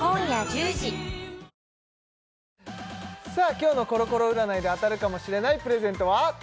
今日のコロコロ占いで当たるかもしれないプレゼントは？